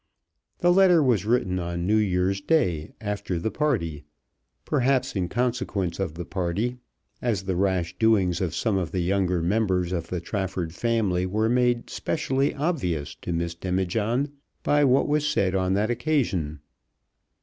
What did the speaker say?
The letter was written on New Year's Day, after the party, perhaps in consequence of the party, as the rash doings of some of the younger members of the Trafford family were made specially obvious to Miss Demijohn by what was said on that occasion.